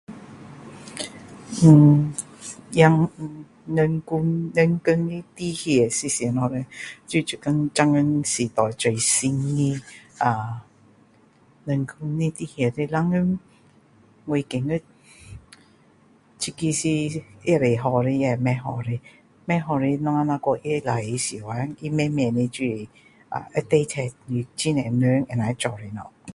呃也人工人工的代替是什么叻就是现今时代最新的啊人工的代替以后我觉得这个是可以好的也可以是不好的不好的我们若是说来代替后啊他慢慢的就是会代替你很多人能够来做的东西